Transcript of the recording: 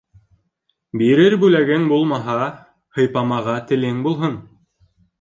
Бирер бүләгең булмаһа, һыйпамаға телең булһын.